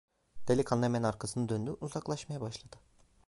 Delikanlı hemen arkasını döndü, uzaklaşmaya başladı.